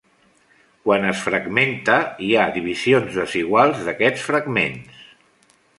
Quan es fragmenta, hi ha divisions desiguals d'aquests fragments.